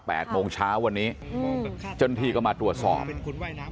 แปกโมงเช้าวันนี้อืมจนทีก็มาตรวจสอบคุณว่ายน้ำ